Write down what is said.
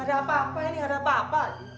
ada apa apa ini ada apa apa